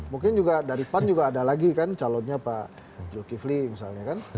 mungkin juga daripan juga ada lagi kan calonnya pak jokivli misalnya kan